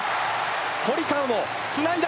堀川もつないだ。